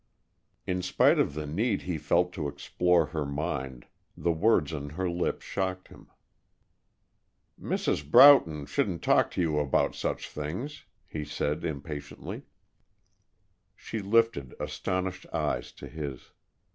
In spite of the need he felt to explore her mind, the words on her lips shocked him. "Mrs. Broughton shouldn't talk to you about such things," he said impatiently. She lifted astonished eyes to his.